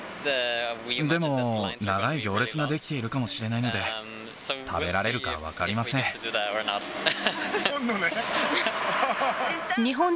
でも、長い行列が出来ているかもしれないので、食べられるか分かりませ乾杯！